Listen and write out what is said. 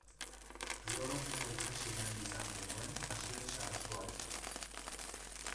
Biologia ikasi nahi izan genuen Asier Sarasuarekin.